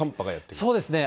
そうですね。